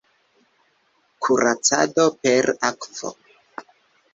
Kuracado per akvo.